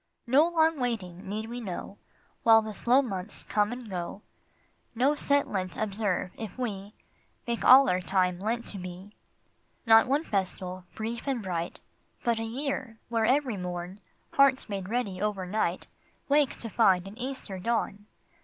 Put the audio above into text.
No long waiting need we know, While the slow months come and go ; No set Lent observe, if we Make all time our Lent to be ; ON EASTER EVEN 12? Not one festal, brief and bright, But a year, where every morn Hearts made ready over night Wake to find an Easter dawn.